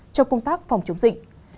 trong công tác phòng chống dịch